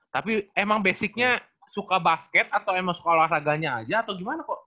tapi emang basicnya suka basket atau emang suka olahraganya aja atau gimana kok